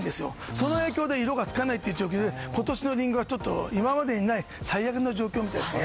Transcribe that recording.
その影響で色がつかない状況で今年のリンゴは今までにない最悪の状況みたいです。